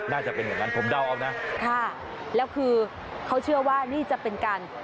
น่าจะเป็นอย่างนั้นผมเดาเอานะค่ะแล้วคือเขาเชื่อว่านี่จะเป็นการ